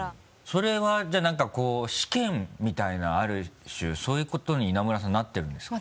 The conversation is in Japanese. それはじゃあ何かこう試験みたいなある種そういうことに稲村さんなってるんですか？